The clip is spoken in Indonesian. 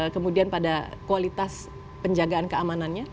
kemudian pada kualitas penjagaan keamanannya